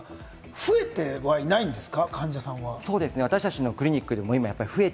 増えてはいないんですか？